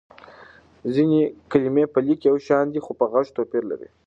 ځينې کلمې په ليک يو شان دي خو په غږ توپير لري.